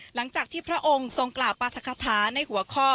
หลังจากที่พระองค์ทรงกล่าวปราธกคาถาในหัวข้อ